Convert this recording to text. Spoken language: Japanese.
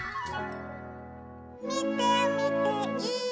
「みてみてい！」